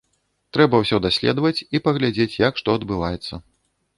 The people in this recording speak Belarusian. Трэба ўсё даследаваць і паглядзець, як што адбываецца.